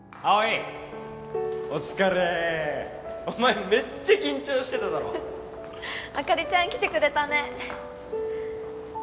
あかりちゃん来てくれたね。